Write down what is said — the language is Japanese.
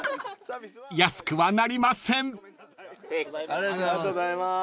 ありがとうございます。